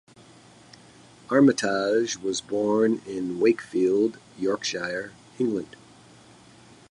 Armitage was born in Wakefield, Yorkshire, England.